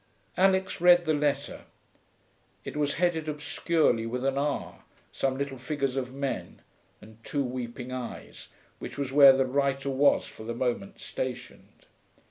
Alix read the letter. It was headed obscurely with an R, some little figures of men, and two weeping eyes, which was where the writer was for the moment stationed.